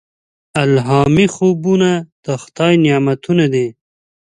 الهامي خوبونه د خدای نعمتونه دي.